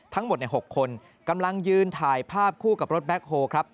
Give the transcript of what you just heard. ทั้งหมด๖คนกำลังยืนถ่ายภาพคู่กับรถแบ็คโฮครับ